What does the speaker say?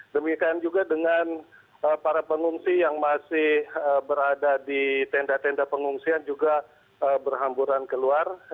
demikian juga dengan para pengungsi yang masih berada di tenda tenda pengungsian juga berhamburan keluar